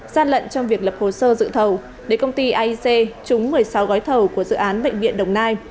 gian lận trong việc lập hồ sơ dự thầu để công ty aic trúng một mươi sáu gói thầu của dự án bệnh viện đồng nai